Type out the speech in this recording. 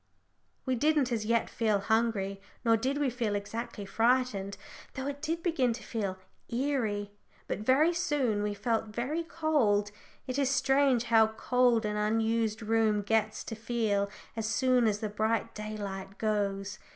We didn't as yet feel hungry nor did we feel exactly frightened, though it did begin to feel "eerie." But very soon we felt very cold. It is strange how cold an unused room gets to feel as soon as the bright daylight goes.